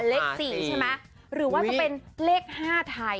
ลักษณะหรือว่าจะเป็นเลข๕ไทย